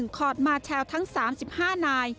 คอร์ดมาแชลทั้ง๓๕นาย